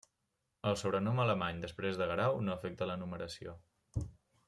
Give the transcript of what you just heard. El sobrenom Alemany després de Guerau no afecta la numeració.